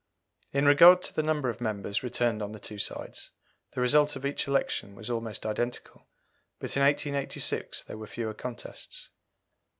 In regard to the number of members returned on the two sides, the result of each election was almost identical, but in 1886 there were fewer contests.